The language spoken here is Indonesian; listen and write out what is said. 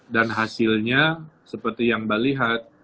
dan hasilnya seperti yang mbak lihat